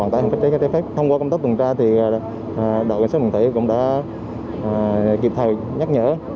thông qua công tác tuần tra thì đội cảnh sát bình thủy cũng đã kịp thời nhắc nhở